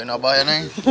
doain abah ya neng